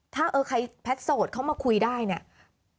ถ้าแพทย์โสดเข้ามาคุยได้เนี่ย